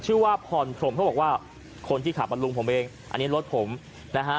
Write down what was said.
ชื่อว่าพรพรมเขาบอกว่าคนที่ขับมาลุงผมเองอันนี้รถผมนะฮะ